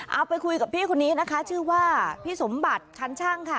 เอาไปคุยกับพี่คนนี้นะคะชื่อว่าพี่สมบัติชั้นช่างค่ะ